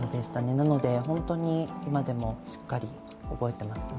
なので、本当に今でもしっかり覚えてますね。